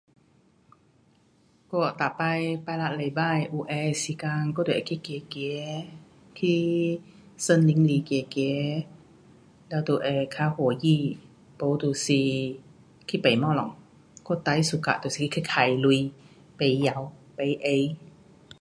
我每次拜六礼拜有闲的时间，我就会去走走，去森林里走走，了就会较欢喜，没就是去买东西，我最 suka 就是去花钱。买衣，买鞋。